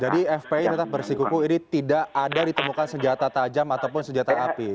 jadi fpi persikupu ini tidak ada ditemukan senjata tajam ataupun senjata api